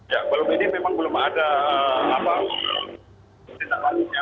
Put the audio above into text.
ya belum ini memang belum ada apa apa